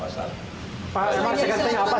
pak segenting apa sih tanggal empat itu pak